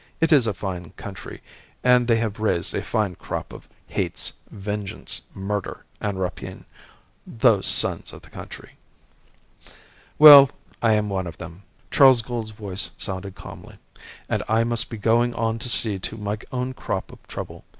"It is a fine country, and they have raised a fine crop of hates, vengeance, murder, and rapine those sons of the country." "Well, I am one of them," Charles Gould's voice sounded, calmly, "and I must be going on to see to my own crop of trouble.